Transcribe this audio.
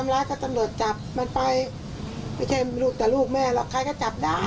สรุปแล้วก็คือตอนนี้แม่กำลังจะบอกว่ายังไม่ได้เลิกกันใช่ไหมแม่